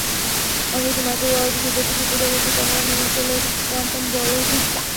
অন্যদিকে মাইক্রোওয়ার্ল্ডের ক্ষুদ্রাতিক্ষুদ্র জগতের কণারা মেনে চলে কোয়ান্টাম বলবিদ্যা।